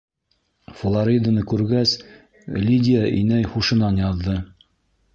Флориданы күргәс, Лидия инәй һушынан яҙҙы.